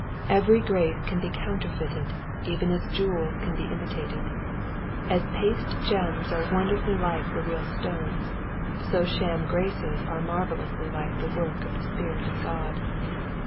Every grace can be counterfeited, even as jewels can be imitated. As paste gems are wonderfully like the real stones, so sham graces are marvellously like the work of the Spirit of God.